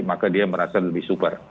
maka dia merasa lebih super